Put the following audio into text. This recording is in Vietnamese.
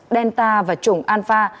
delta và chủng alpha